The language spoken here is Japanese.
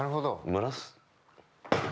蒸らす！